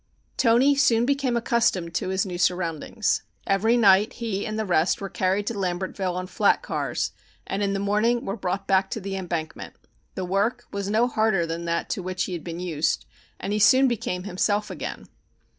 Toni soon became accustomed to his new surroundings. Every night he and the rest were carried to Lambertville on flat cars and in the mornings were brought back to the embankment. The work was no harder than that to which he had been used, and he soon became himself again.